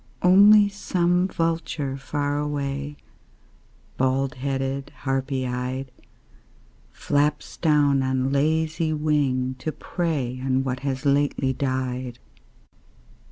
Only some vulture far away, Bald headed, harpy eyed, Flaps down on lazy wing to prey On what has lately died.